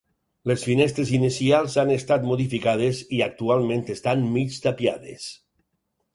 Les finestres inicials han estat modificades i actualment estan mig tapiades.